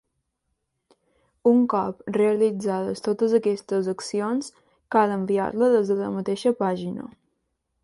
Un cop realitzades totes aquestes accions cal enviar-la des de la mateixa pàgina.